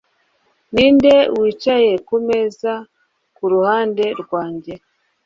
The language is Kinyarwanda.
ninde wicaye kumeza kuruhande rwanjye.